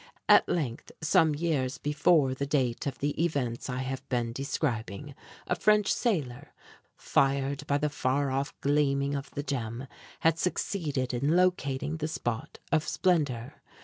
At length, some years before the date of the events I have been describing, a French sailor, fired by the far off gleaming of the gem, had succeeded in locating the spot of splendor.